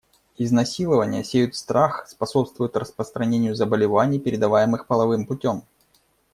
Изнасилования сеют страх, способствуют распространению заболеваний, передаваемых половым путем.